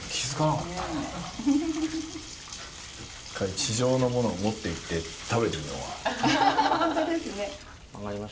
一回地上のものを持っていって食べてみようかな。